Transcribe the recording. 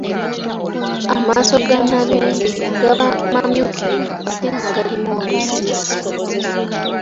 Amaaso aga Nalwenge gaba mamyukirivu ate nga galimu oluzzizzi.